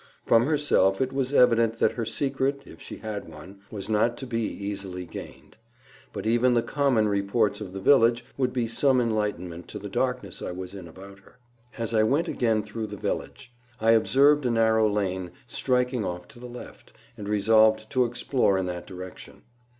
From herself it was evident that her secret, if she had one, was not to be easily gained; but even the common reports of the village would be some enlightenment to the darkness I was in about her. As I went again through the village, I observed a narrow lane striking off to the left, and resolved to explore in that direction.